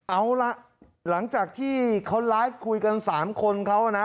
เอาล่ะหลังจากที่เขาไลฟ์คุยกัน๓คนเขานะ